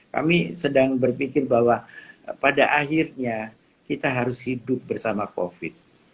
kami sedang berpikir bahwa pada akhirnya kita harus hidup bersama covid